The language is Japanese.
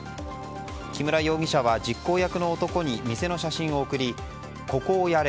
木村容疑者は実行役の男に店の写真を送りここをやれ。